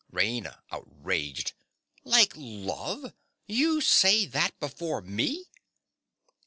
RAINA. (outraged). Like love! You say that before me.